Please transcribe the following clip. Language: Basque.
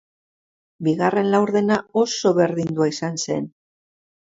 Bigarren laurdena oso berdindua izan zen.